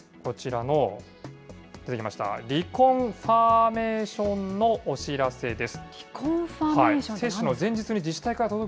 それがですね、こちらの、出てきました、リコンファメーションのお知らせです。